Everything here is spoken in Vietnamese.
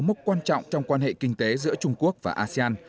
nó là một năm quan trọng trong quan hệ kinh tế giữa trung quốc và asean